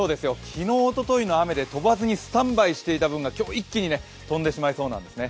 昨日、おとといの雨で飛ばずにスタンバイしていた分が今日、一気に飛んでしまいそうなんです。